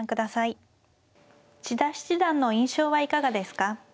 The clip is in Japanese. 千田七段の印象はいかがですか。